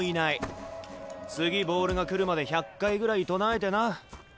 次ボールが来るまで１００回ぐらい唱えてな。